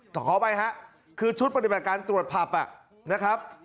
ต่อเขาไปครับคือชุดบริมาณการตรวจพับนะครับ